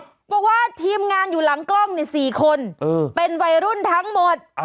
บอกว่าทีมงานอยู่หลังกล้อง๔คนเป็นวัยรุ่นทั้งหมด